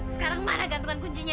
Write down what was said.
sekarang mana gantungan kuncinya